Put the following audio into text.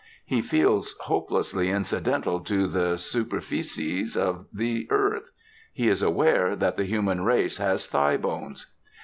He feels hopelessly incidental to the superficies of the earth. He is aware that the human race has thigh bones....